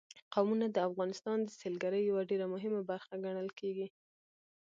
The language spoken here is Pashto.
قومونه د افغانستان د سیلګرۍ یوه ډېره مهمه برخه ګڼل کېږي.